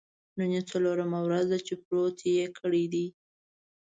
نن یې څلورمه ورځ ده چې پروت یې کړی دی.